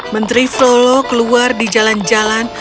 menteri flau lau keluar di jalan jalan